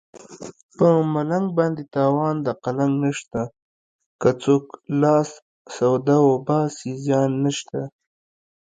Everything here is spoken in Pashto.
په ملنګ باندې تاوان د قلنګ نشته که څوک لاس سوده وباسي زیان نشته